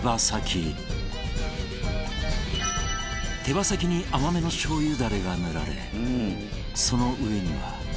手羽先に甘めのしょう油だれが塗られその上には